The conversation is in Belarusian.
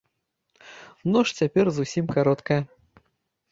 Ноч цяпер зусім кароткая.